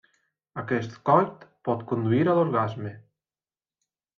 Aquest coit pot conduir a l'orgasme.